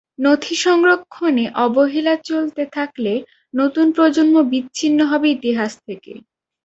নথি সংরক্ষণে অবহেলা চলতে থাকলে নতুন প্রজন্ম বিচ্ছিন্ন হবে ইতিহাস থেকে।